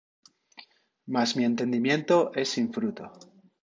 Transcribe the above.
mas mi entendimiento es sin fruto.